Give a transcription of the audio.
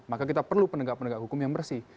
maka kita perlu penegak penegak hukum yang bersih